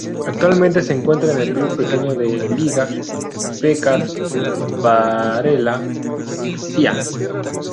Actualmente se encuentra en un club pequeño de Liga Beccar Varela, Pcia.